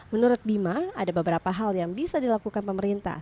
menurut bima ada beberapa hal yang bisa dilakukan pemerintah